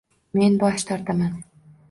Men bosh tortaman.